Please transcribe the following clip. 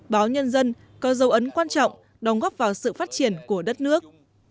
báo nhân dân có dấu ấn quan trọng đóng góp vào sự phát triển của đất nước